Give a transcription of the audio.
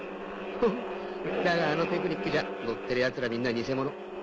ハハっだがあのテクニックじゃ乗ってるヤツらみんな偽者。